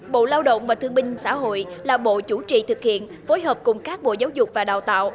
bộ lao động và thương binh xã hội là bộ chủ trì thực hiện phối hợp cùng các bộ giáo dục và đào tạo